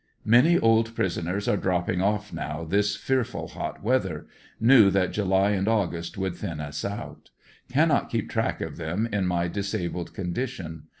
Many old prisoners are dropping off now this fearful hot weather; knew that July and August would thin us out; cannot keep track of them in my disabled condition.